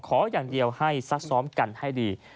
ขออย่างเดียวให้ซักซ้อมกันให้ดี